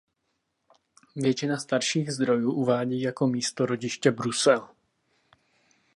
Většina starších zdrojů uvádí jako místo rodiště Brusel.